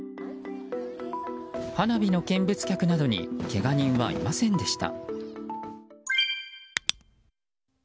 花火の見物客などにけが人はいませんでした。